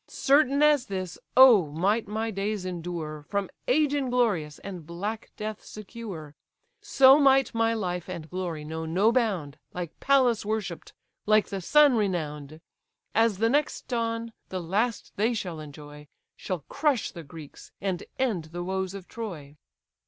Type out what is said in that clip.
Certain as this, oh! might my days endure, From age inglorious, and black death secure; So might my life and glory know no bound, Like Pallas worshipp'd, like the sun renown'd! As the next dawn, the last they shall enjoy, Shall crush the Greeks, and end the woes of Troy."